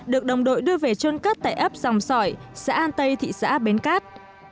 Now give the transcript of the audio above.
được đồng đội đưa về trôn cất tại ấp dòng sỏi xã an tây thị xã bến cát